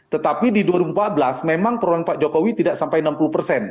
tetapi di dua ribu empat belas memang peran pak jokowi tidak sampai enam puluh persen